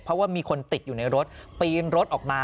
เพราะว่ามีคนติดอยู่ในรถปีนรถออกมา